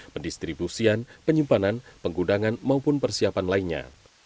pendistribusian penyimpanan penggudangan maupun persiapan lainnya